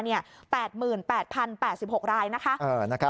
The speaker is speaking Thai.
๘๘๐๘๖รายนะคะ